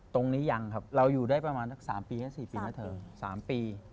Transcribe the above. ตรงนี้ยังครับเราอยู่ได้ประมาณ๓๔ปีแล้วเธอ๓ปี